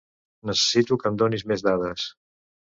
Necessito que em donis mes dades